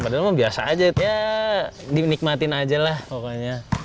padahal emang biasa aja ya dinikmatin aja lah pokoknya